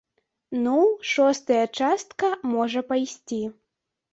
Ну, шостая частка можа пайсці.